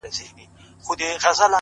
• ځكه د كلي مشر ژوند د خواركي ورانوي ـ